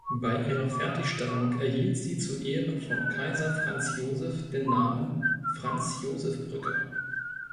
Bei ihrer Fertigstellung erhielt sie zu Ehren von Kaiser Franz Joseph den Namen "Franz-Joseph-Brücke".